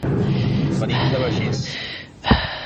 Venim de Begís.